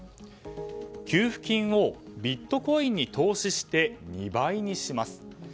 給付金をビットコインに投資して２倍にします。